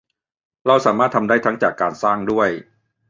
เราสามารถทำได้ทั้งจากการสร้างด้วย